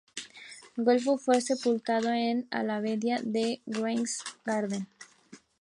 Güelfo fue sepultado en la abadía de Weingarten.